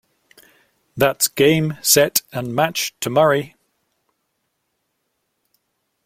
That's Game Set and Match to Murray